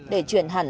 để chuyển hẳn